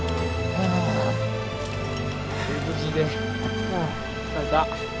はあ疲れた。